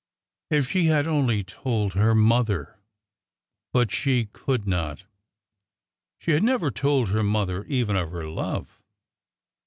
If she had only told her mother! But she could not. She had never told her mother even of her love.